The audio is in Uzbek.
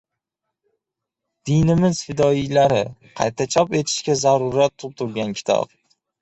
"Dinimiz fidoyilari" – qayta chop etishga zarurat tug‘dirgan kitob...